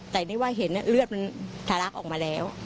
แต่นี่ว่าเห็นเลือดมันทะลักออกมาแล้ว